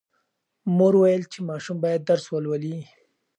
مور وویل چې ماشوم باید درس ولولي.